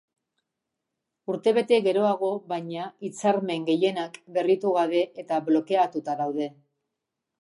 Urtebete geroago, baina, hitzarmen gehienak berritu gabe eta blokeatuta daude.